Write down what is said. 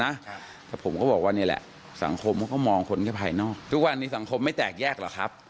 ครับแต่ผมก็บอกว่านี่แหละสังคมเขาก็มองคนแค่ภายนอกทุกวันนี้สังคมไม่แตกแยกหรอกครับ